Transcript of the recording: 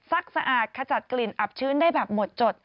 สะอาดขจัดกลิ่นอับชื้นได้แบบหมดจด